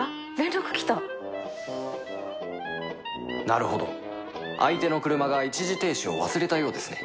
なるほど相手の車が一時停止を忘れたようですね